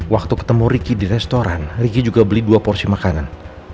waktu ketemu ricky di restoran riki juga beli dua porsi makanan